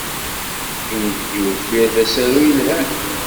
Inebgi Uffir d asaru yelhan.